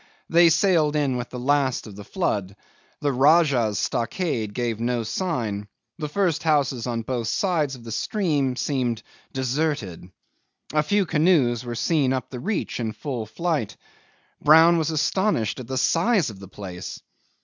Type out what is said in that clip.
They sailed in with the last of the flood; the Rajah's stockade gave no sign; the first houses on both sides of the stream seemed deserted. A few canoes were seen up the reach in full flight. Brown was astonished at the size of the place.